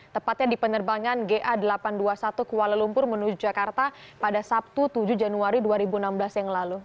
tepatnya di penerbangan ga delapan ratus dua puluh satu kuala lumpur menuju jakarta pada sabtu tujuh januari dua ribu enam belas yang lalu